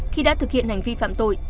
khi đã thực hiện hành vi phạm tội